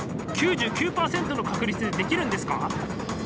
９９％の確率でできるんですか？